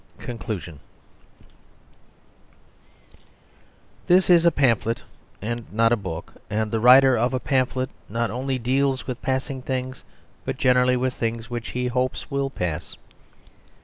— Conclusion iHIS is a pamphlet and not a book; and the writer of a pamphlet not only deals with passing things, but generally with things which he hopes will pass.